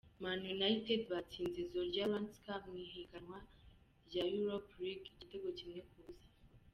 Man United batsinze Zorya Luhansk mw’ihiganwa rya Europa League igitego kimwe ku busa.